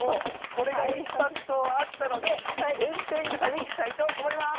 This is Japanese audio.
これがインパクトあったのでペンペングサにしたいと思います。